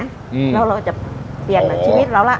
แล้วเราจะเปลี่ยนชีวิตเราล่ะ